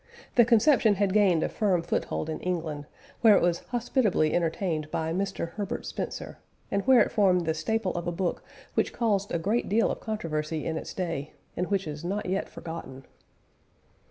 The conception had gained a firm foothold in England, where it was hospitably entertained by Mr. Herbert Spencer, and where it formed the staple of a book which caused a good deal of controversy in its day, and which is not yet forgotten.